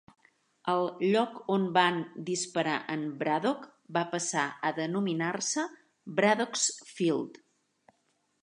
El lloc on van disparar en Braddock va passar a denominar-se Braddock's Field.